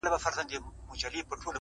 د ناروا زوی نه یم-